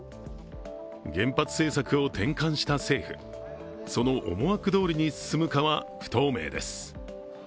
原発政策を転換した政府、その思惑どおりに進むかは不透明です。